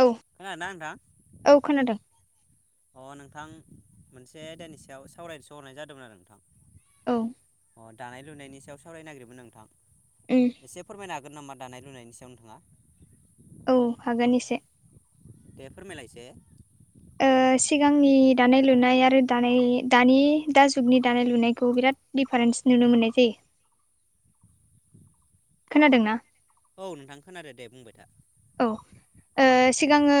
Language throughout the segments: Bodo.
औ खोनादोना नोंथां अ औ खोनादों नोंथां। नोंथां मोनसे आयदानि सायाव सावरायसोहरनाय जादोंमोन आरो नोंथां। औ अ दानाय लुनायनि सायाव सावराय नागिरोमोन नोंथां उम एसे फोरमायनो हागोन नामा? दानाय लुनायनि सायाव नोंथाङा औ हागोन एसे। दे फोरमायलाय एसे। ओ सिगांनि दानाय लुनाय आरो दानाय दानि दा जुगनि दानाय लुनायखौ बिराद दिडफारेन्स नुनो मोननाय जायो। खोनादों ना? औ नोंथां खोनादो दे बुंबाय था औ सिगाङो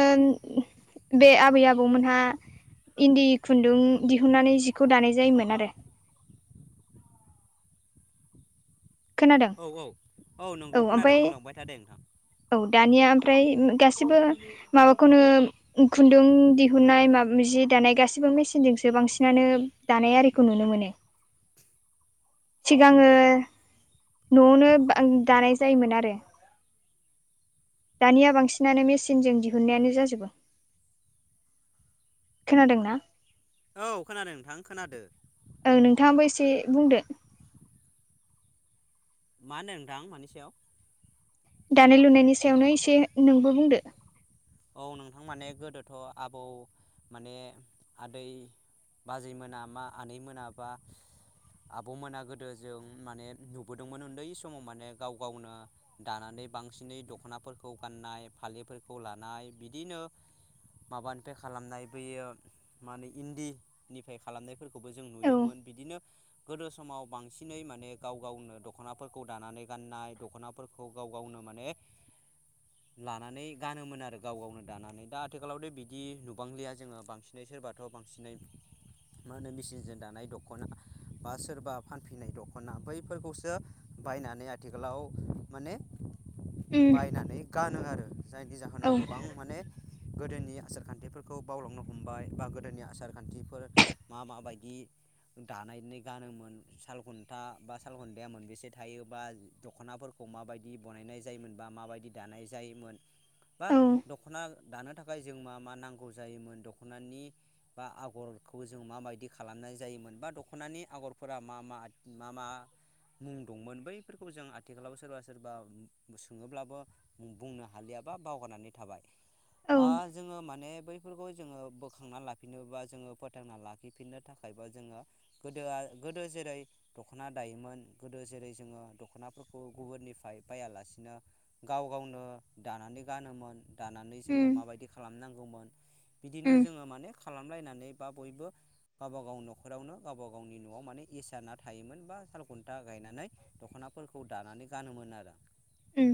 बे आबै आबौमोनहा इन्दि खुन्दुं दिहुननानै जिखौ दानाय जायोमोन आरो। खोनादों औ औ औ नंगौ खोनादों बुंलांबाय थादों नोंथां औ दानिया ओमफ्राय गासिबो माबाखौनो खुन्दुं दिहुनाय जि दानाय गासिबो बे मेसिनजोंसो बांसिनानो दानाय आरिखौ नुनो मोनो सिगाङो न'आवनो दानाय जायोमोन आरो दानिया बांसिनानो मेसिनजों दिहुन्नायानो जाजोबो खोनादोंना औ खोनादों नोंथां खोनादों ओं नोंथाङाबो एसे बुंदो मा होनो नोंथां मानि सायाव दानाय लुनायनि सायावनो एसे नोंबो बुंदो औ नोंथां माने गोदोथ आबौ माने आदै बाजै मोना मा आनै मोनाबा आबमोना गोदो जों माने नुबोदोंमोन उन्दै समाव माने गाव गावनो दानानै बांसिनै दखनाफोरखौ गाननाय फालिफोरखौ लानाय बिदिनो माबानिफ्राय खालामनाय बेैयो मा होनो इन्दिनिफ्राय खालामनाय फोरखौबो जों औ नुयोमोन बिदिनो गोदो समाव बांसिनै माने गाव गावनो दखनाफोरखौ दानानै गाननाय दखनाफोरखौ गाव गाव गावनो माने लानानै गानोमोन आरो आरो गाव गावनो दानानै दा आथिखालावथ बिदि नुबांलिया जोङो बांसिनै सोरबाथ बांसिनै मा होनो मेचिनजों दानाय दखना बा सोरबा फानफैनाय दखना बैफोरखौसो बायनानै आथिखालाव माने उम बायनानै गानो आरो जायनि औ जाहोनाव गोबां माने गोदोनि आसार खान्थिफोरखौ बावलांनो हमबाय बा गोदोनि आसार खान्थिफोर मा माबायदि दानायनाय गानोमोन सालखुन्था बा सालखुन्न्दाया मोनबेसे थायो बा दखनाफोर खौ माबायदि बानायनाय जायोमोन बा माबायदि दानाय जायोमोन बा औ दख'ना दानो थाखाय जों मा मा नांगौ जायोमोन दख'नानि बा आगरखौ जों माबायदि खालामनाय जायोमोन बा दख'नानि आगरफोरा मा मा मा मा? मुं दंमोन बैफोरखौबो जों आथिखालाव सोरबा सोरबा सोङोब्लाबो बुंनो हालिया बा बावगारनानै थाबाय औ ओ जोङो माने बै फोरखौ जोङो बोखांना लाफिनो बा जोङो फोथांना लाखिफिननो थाखाय बा जोङो गोदोआ गोदो जेरै दख'ना दायोमोन गोदो जेरै जोङो दखनाफोरखौ गुबुननिफ्राय बायालासिनो गाव गावनो दानानै गानोमोन दानानै जोङो उम माबायदि खालामनांगौमोन बिदिनो उम जोङो माने खालामलायनानै बा बयबो गावबा गाव न'खरावनो गावबा गावनि न'वाव माने इसना थायोमोन बा साल खुनथा गायनानै दख'नाफोरखौ दानानै गानोमोन आरो‌। उम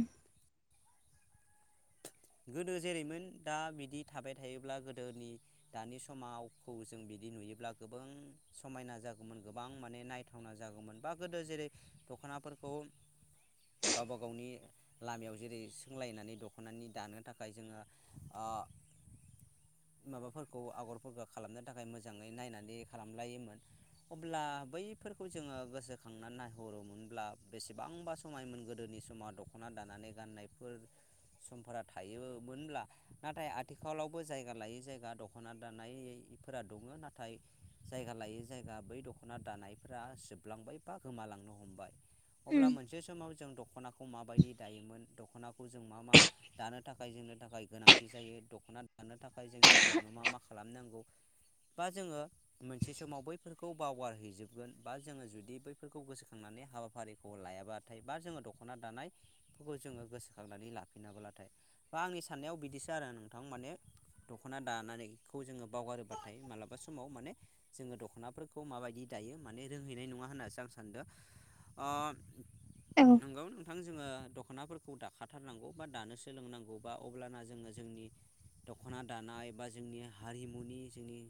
[inaudible] गोदो जेरैमोन दा बिदि थाबाय थायोब्ला गोदोनि दानि समावखौ जों बिदि नुयोब्ला गोबां समायना जागौमोन गोबां माने नायथावना जागौमोन बा गोदो जेरै दखना गावबा गावनि लामायाव जेरै सोंलायनानै दख दख'नानि दानो थाखाय जोङो ओ माबाफोरखौ आगरफोरखौ खालामनो थाखाय मोजाङै नायनानै खालामलायोमोन अब्ला बैफोरखौ जोङो गोसोखांनानै नायहरोमोनब्ला बेसेबांबा समायमोन गोदोनि समाव दख'ना दानानै गाननायफोर समफोरा थायोमोनब्ला नाथाय आथिखालावबो जायगा लायै जायगा दख'ना दानायै फोरा दङ नाथाय जायगा लायै जायगा बै दख'ना दानायफोरा जोबलांबाय बा गोमालांबाय [inaudible] अब्ला मोनसे समाव जों दख'नाखौ माबायदि दायोमोन दख'नाखौ जों मा मा दानो थाखाय जोंनि थाखाय गोनांथि जायो दख'ना दानो थाखाय जों गिबियावनो मा मा खालामनांगौ बा जोङो मोनसे समाव बैफोरखौ बावगारहैजोबगोन बा जोङो जुदि बैफोरखौ गोसोखांनानै हाबाफारिखौ लायाबाथाय बा जोङो दख'ना दानायफोरखौ जोङो गोसोखांनानै ला फिनाबोलाथाय बा आंनि साननायाव बिदिसो आरो नोंथां माने दख'ना दानानैखौ जोङो बावगारोबाथाय मालाबा समाव माने जोङो दख'नाफोर खौ माबायदि दायो माने रोंहैनाय नङा होननानैसो आं सानदों ओ औ नंगौ नोंथां जोङो दख'नाफोरखौ दाखाथारनांगौ बा दानो सोलोंनांगौ बा अब्लाना जोङो जोंनि दख'ना दानाय बा जोंनि हारिमुनि जोंनि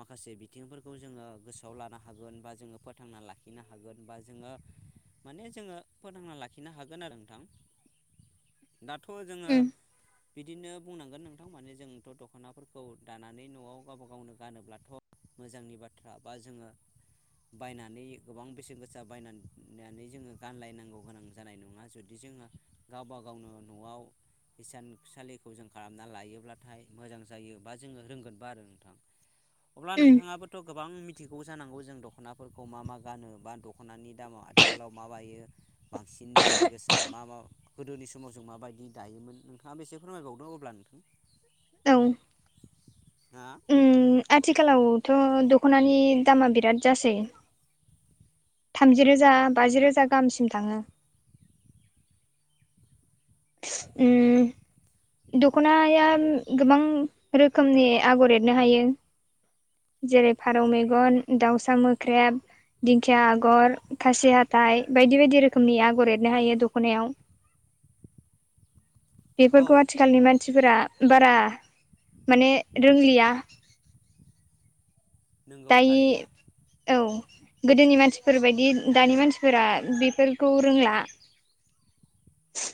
माखासे बिथिंफोरखौ जोङो गोसोआव लानो हागोन बा जोङो फोथांना लाखिनो हागोन बा जोङो माने जोङो फोथांना लाखिनो हागोन आरो नोंथां [inaudible] दाथ' जोङो उम बिदिनो बुंनांगोन नोंथां माने जोंथ' दख'नाफोरखौ दानानै न'आव गावबा गावनो गानोब्लाथ' मोजांनि बाथ्रा बा जोङो बायनानै गोबां बेसेन गोसा बायनानै जोङो गानलायनांगौ गोनां जानाय नङा जुदि जों जोङो गावबा गावनो न'आव इसानसालिखौ जों खालामना लायोब्लाथाय मोजां जायो बा जोङो रोंगोनबो आरो नोंथां अब्ला उम नोंथाङाबोथ' गोबां मि थिगौ जानांगौ जों दख'नाफोरखौ मा मा गानो बा दख'नानि दामाव आथिखालाव माबायो बां सिन बेसेन गोसा मा मा गोदोनि स माव जों माबायदि दायोमोन नोंथाङाबो एसे फोरमायबावदों अब्ला नोंथां। औ दा उम आथिखालावथ' दख'नानि दामा बिराद जासै थामजि रोजा बाजि रोजा गाहामसिम थाङो उम दख'नाया गोबां रोखोमनि आगर एरनो हायो जेरै फारौ मेगन दाउसा मोख्रेब दिंखिया आगर खासि हाथाय बायदि बायदि रोखोमनि आगर एरनो हायो दख'नायाव [inaudible] औ बेफोरखौ आथिखालनि मानसिफोरा बारा माने रोंलिया नोंगौ दायि थारैनो औ गोदोनि मानसिफोरबायदि दानि मानसिफोरा बेफोरखौ रोंला [unintelligible]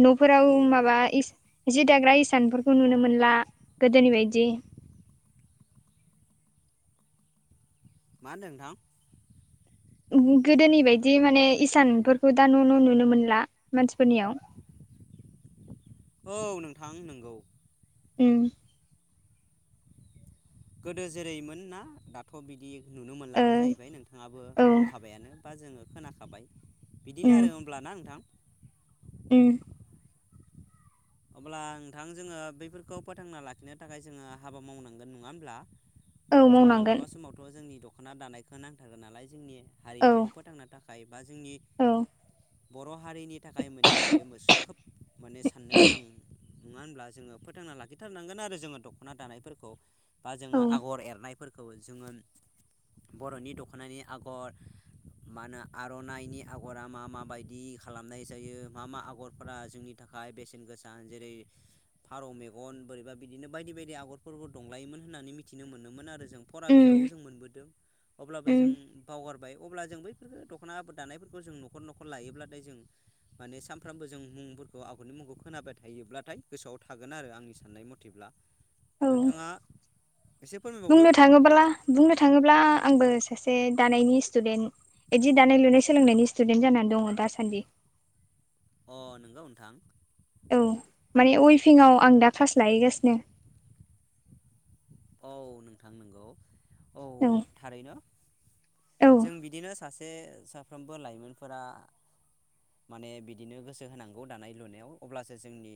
न'फोराव औ माबा इस जि दाग्रा इसानफोरखौ नुनो मोनला गोदोनि बायदि मा होनदों नोंथां गोदोनि बायदि माने इसानफोरखौ दा न' न' नुनो मोनला मानसिफोरनियाव [inaudible] औ नोंथां नोंगौ उम गोदो जेरैमोन ना दाथ' बिदि नुनो ओ मोनलानो जायैबाय नोंथाङाबो औ बुंखाबायानो बा जोङो खोनाखाबाय उम बिदिनो आरो होमब्लाना नोंथां उम अब्ला नोंथां जोङो बैफोरखौ फोथांना लाखिनो थाखाय जोङो हाबा मावनांगोन नङा होमब्ला औ जों मावनांगोन मालाबा समावथ' जोंनि दख'ना दानायखौ नांथारगोन नालाय जोंनि औ हारिमुखौ फोथांनो थाखाय बा जोंनि औ बर' हारिनि थाखाय मोनसे बियो मोस खोब माने साननो गोनां नङा होनब्ला जोङो फोथांना लाखिथारनांगोन आरो जोङो दख'ना दानायफोरखौ बा औ जोङो आगर एरनायफोरखौ जोङो बर'नि दख'नानि आगर मा होनो आर'नाइनि आग'रा मा माबायदि खालामनाय जायो मा मा आगरफोरा जोंनि थाखाय बेसे सेन गोसा जेरै फारौ मेगन बोरैबा बिदिनो बायदि बायदि आगरफोरबो दंलायोमोन होननानै मिथिनो मोनोमोन आरो जों फरा बिजाबाव उम जों मोनबोदों अब्लाबो उम जों बावगारबाय अब्ला जों बैफोरफोरखो दख'ना आब दानायफोरखौ जों न'खर न'खर लायोब्लाथाय जों माने सानफ्रामबो जों मुं फोरफोरखौ आगरनि मुंखौ खोनाबाय थायोब्लाथाय गोसोआव थागोन आरो आंनि साननाय मथेब्ला। औ नोंथाङा एसे फोरमायबावदो बुंनो थाङोब्ला बुंनो थाङोब्ला आंबो सासे दानायनि स्टुदेन्ट इदि दानाय लुनाय सोलोंनायनि स्टुदेन्ट जानानै दङ दासान्दि। अ नोंगौ नोंथां। औ माने उइफिंआव आं दा क्लास लहैगासिनो। औ नोंथां नोंगौ औ थारैनो औ जों बिदिनो सासे ए साफ्रोमबो लाइमोनफोरा माने बिदिनो गोसो होनांगौ दानाय लुनायाव अब्लासो जोंनि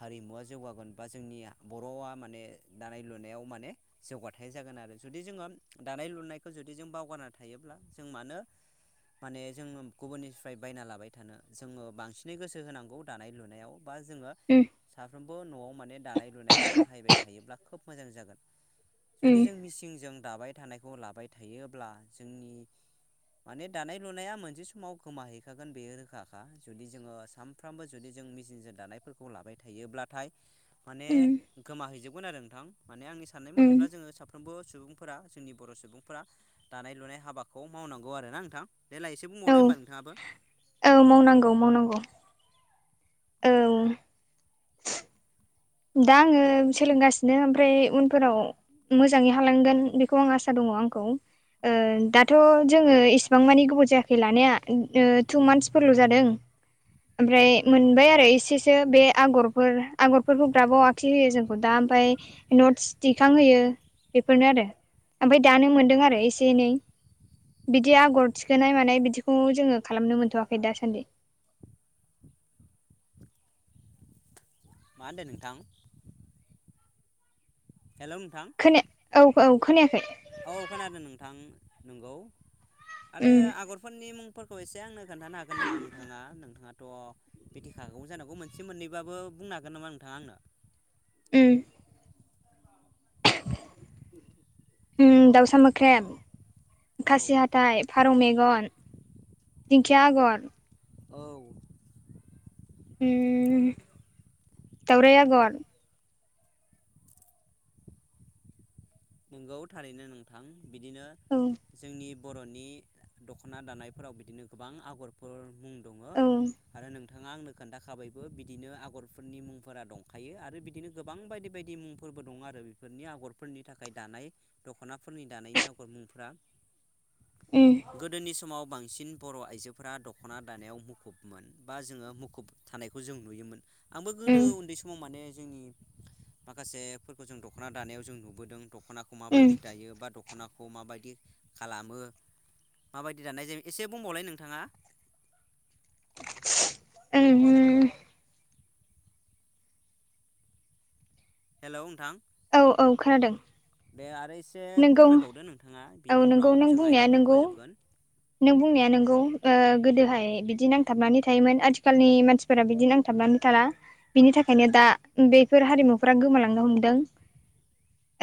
हारिमुवा जौगागोन बा जोंनि बर'आ माने दानाय लुनायाव माने जौगाथाय जागोन आरो जुदि जोङो दानाय लुनायखौ जुदि जों बावगारना थायोब्ला जों मानो [inaudible] माने जोङो गुबुननिफ्राय बायना लाबाय थानो जोङो बांसिनै गोसो होनांगौ दानाय लुनायाव बा जोङो उम साफ्रोमबो न'आव माने दानाय लुनायखौ बाहायबाय थायोब्ला खोब मोजां जागोन। उम जुदि जों मिसिंजों दाबाय थानायखौ लाबाय थायोब्ला जोंनि माने दानाय लुनाया मोनसे समाव गोमाहैखागोन बे रोखाखा जुदि जोङो सानफ्रामबो जुदि जों मेचिनजों दानायफोरखौ लाबाय थायोब्लाथाय माने उम गोमाहैजोबगोन आरो नोंथां माने आंनि साननाय उम मथेब्ला जोङो सा फ्रोमबो सुबुंफोरा जोंनि बर' सुबुंफोरा दानाय लुनाय हाबाखौ मावनांगौ आरो ना नोंथां। देलाय एसे औ बुंबावलाय होमबा नोंथाङाबो औ मावनांगौ मावनांगौ। औ। दा आङो सोलोंगासिनो ओमफ्राय उनफोराव मोजाङै हालांगोन बेखौ आं आसा दङ' आंखौ। ओ दाथ' जोङो इसिबां मानि गोबाव जायाखै लानाया ओ टु मान्थसफोरल' जादों। ओमफ्राय मोनबाय आरो इसेसो बे आगरफोर आगर फोरखौ ग्राबाव आखिहोयो जोंखौ दा ओमफाय नटस दिखांहोयो बेफोरनो आरो। ओमफाय दानो मोन्दों आरो एसे एनै बिदि आगर थिखोनाय मानाय बिदिखौ जोङो खालामनो मोनथ'वाखै दासान्दि। [inaudible] मा होनदो नोंथां? हेलौ नोंथां। खोनाया औ औ खोनायाखै? औ खोनादों नोंथां नंगौ आरो उम आगरफोरनि मुंफोरखौ एसे आंनो खोन्थानो हागोन नामा नोंथाङा? नोंथाङा थ' मिथिखागौमोन जानांगौ मोनसे मोननैबाबो बुंनो हागोन नामा नोंथाङा आंनो? उम। उम दाउसामोख्रेब खासि आंनो हाथाइ, फारौ मेगन, दिंखिया आगर औ उम दावराय आगर नोंगौ थारैनो नोंथां बिदिनो औ जोंनि बर'नि दख'ना दानायफोराव बिदिनो गोबां आगरफोर मुं दङो उम आरो नों थाङा आंनो खोनथाखाबायबो बिदिनो आगरफोरनि मुंफोरा दंखायो आरो बिदिनो गोबां बायदि बायदि मुंफोर फोरबो दं आरो बेफोरनि आगरफोरनि था खाय दानाय दख'नाफोरनि दानायनि आगर मुंफोरा। गोदोनि समाव बांसिन बर' आइजोफोरा दख'ना दानायाव मुखुबमोन बा जोङो मुखुब थानायखौ जों नुयोमोन। आंबो गोदो उम उन्दै समाव माने जोंनि माखासेफोरखौ जों दख'ना दानायाव जों नुबोदों दख'नाखौ उम माबायदि दायो बा दख'नाखौ माबायदि खालामो माबायदि दानाय जायो एसे बुंबावलाय नोंथाङा [unintelligible] हेलौ नोंथां औ औ खोनादों दे आरो एसे नोंगौ फोरमायबावदो नोंथाङा औ बिनि नोंगौ उनाव नों जों बुंनाया आयदाखौ नोंगौ फोजोबगोन। नों बुंनाया नोंगौ ओ गोदोहाय बिदि नांथाबनानै थायोमोन आथिखालनि मानसिफोरा बिदि नांथाबनानै थाला बिनि थाखाय नो दा बेफोर हारिमुफोरा गोमालांनो हमदों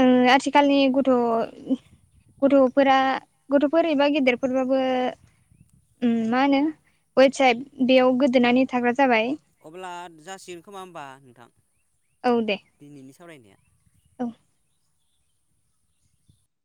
ओ आथिखालनि ग थ' गथ'फोरा गथ'फोर एबा गेदेरफोरबाबो उम मा होनो वेबसाइट बेयाव गोदोनानै थाग्रा जाबाय अब्ला जासिगोन खोमा होमबा नोंथां औ दे दिनैनि सावरायनाया औ